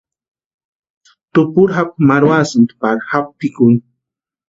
Tupuri japu marhuasïnti pari japu pʼikuni.